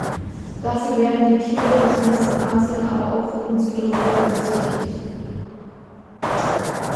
Dafür werden die Tiere, besonders in Asien, aber auch in Südeuropa gezüchtet.